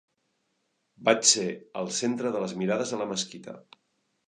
Vaig ser el centre de les mirades a la mesquita.